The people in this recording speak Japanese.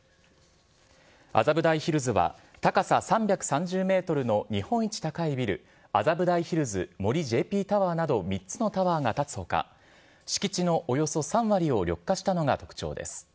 麻布台ヒルズは高さ３３０メートルの日本一高いビル、麻布台ヒルズ森ＪＰタワーなど３つのタワーが建つほか、敷地のおよそ３割を緑化したのが特徴です。